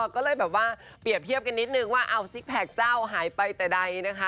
ก็เลยแบบว่าเปรียบเทียบกันนิดนึงว่าเอาซิกแพคเจ้าหายไปแต่ใดนะคะ